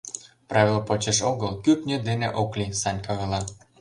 — Правил почеш огыл, кӱртньӧ дене ок лий, — Санька ойла.